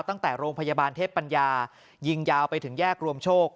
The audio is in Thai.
ตั้งแต่โรงพยาบาลเทพปัญญายิงยาวไปถึงแยกรวมโชค